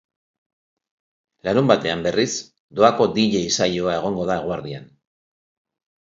Larunbatean, berriz, doako dj saioa egongo da eguerdian.